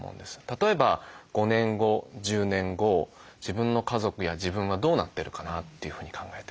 例えば５年後１０年後自分の家族や自分はどうなってるかなというふうに考えて。